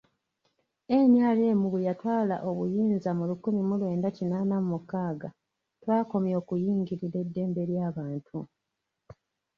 NRM bwe yatwala obuyinza mu lukumi mu lwenda kinaana mu mukaaga, twakomya okuyingirira eddembe ly'abantu.